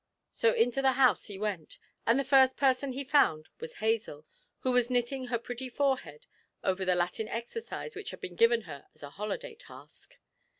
So into the house he went, and the first person he found was Hazel, who was knitting her pretty forehead over the Latin exercise which had been given her as a holiday task.